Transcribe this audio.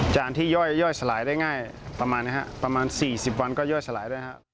จานที่ย่อยสลายได้ง่ายประมาณนี้ครับประมาณ๔๐วันก็ย่อยสลายด้วยฮะ